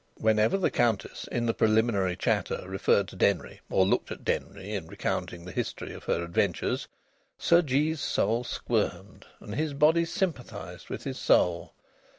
Whenever the Countess, in the preliminary chatter, referred to Denry or looked at Denry, in recounting the history of her adventures, Sir Jee's soul squirmed, and his body sympathised with his soul.